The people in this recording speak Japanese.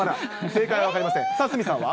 正解は分かりません。